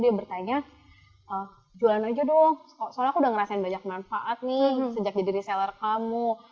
dia bertanya jualan aja dong soalnya aku udah ngerasain banyak manfaat nih sejak jadi reseller kamu